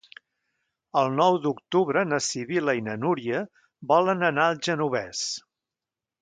El nou d'octubre na Sibil·la i na Núria volen anar al Genovés.